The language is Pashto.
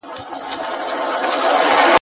چي ویل به مي سبا درڅخه ځمه !.